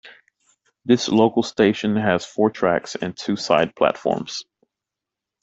This local station has four tracks and two side platforms.